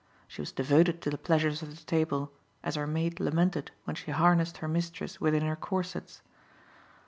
She was devoted to the pleasures of the table, as her maid lamented when she harnessed her mistress within her corsets.